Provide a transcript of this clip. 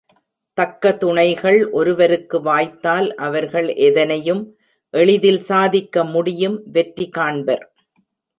தக்க துணைகள் ஒருவருக்கு வாய்த்தால் அவர்கள் எதனையும் எளிதில் சாதிக்க முடியும் வெற்றி காண்பர்.